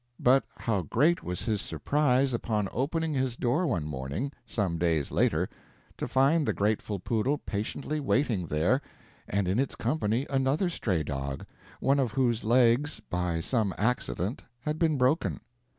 But how great was his surprise, upon opening his door one morning, some days later, to find the grateful poodle patiently waiting there, and in its company another stray dog, one of whose legs, by some accident, had been broken.